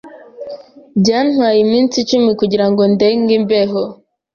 Byantwaye iminsi icumi kugirango ndenge imbeho.